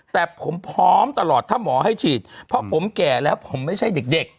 แต่ผมพร้อมตลอดถ้าหมอให้ฉีดเพราะผมแก่แล้วผมไม่ใช่เด็ก